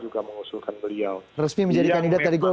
juga mengusulkan beliau resmi menjadi